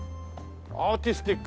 「アーティスティック」